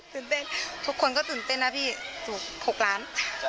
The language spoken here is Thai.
เต้นทุกคนก็ตื่นเต้นนะพี่ถูก๖ล้าน